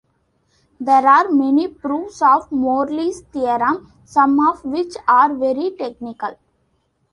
There are many proofs of Morley's theorem, some of which are very technical.